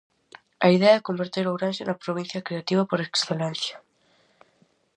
A idea é converter Ourense na provincia creativa por excelencia.